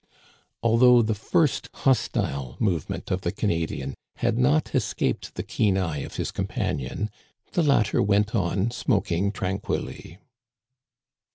Although the first hostile move ment of the Canadian had not escaped the keen eye of his companion, the latter went on smoking tranquilly.